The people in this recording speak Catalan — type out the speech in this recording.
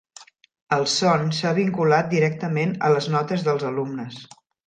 El son s'ha vinculat directament a les notes dels alumnes.